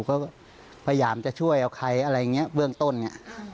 ก็พยายามจะช่วยเอาใครอะไรอย่างนี้เบื้องต้นเนี่ย